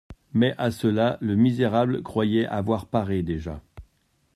Mais à cela le misérable croyait avoir paré déjà.